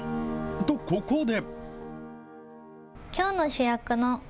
と、ここで。